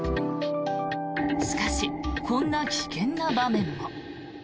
しかし、こんな危険な場面も。